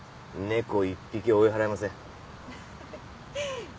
猫一匹追い払えません。